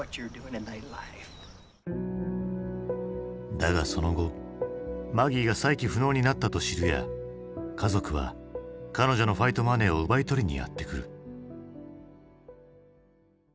だがその後マギーが再起不能になったと知るや家族は彼女のファイトマネーを奪い取りにやって来る。